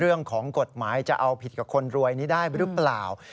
เรื่องของกฎหมายจะเอาผิดกับคนรวยนี้ได้หรือเปล่า